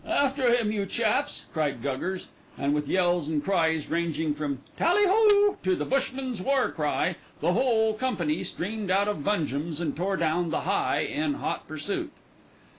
"After him, you chaps," cried Guggers, and with yells and cries ranging from "Tally ho!" to the "Bushmen's war cry" the whole company streamed out of Bungem's and tore down "the High" in hot pursuit.